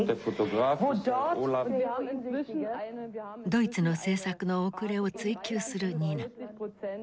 ドイツの政策の遅れを追及するニナ。